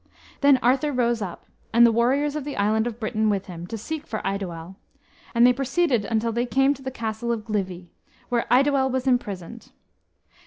Then Arthur rose up, and the warriors of the island of Britain with him, to seek for Eidoel; and they proceeded until they came to the castle of Glivi, where Eidoel was imprisoned.